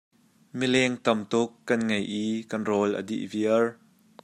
Mileng tamtuk kan ngei i kan rawl a dih viar.